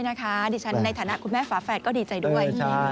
ดิฉันในฐานะคุณแม่ฝาแฝดก็ดีใจด้วย